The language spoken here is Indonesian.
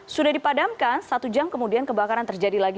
sudah dipadamkan satu jam kemudian kebakaran terjadi lagi